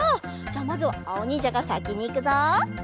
じゃあまずはあおにんじゃがさきにいくぞ。